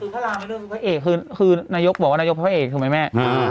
คือพระรามในเรื่องพระเอกคือนายกบอกว่านายกพระเอกถูกไหมแม่